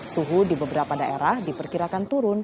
suhu di beberapa daerah diperkirakan turun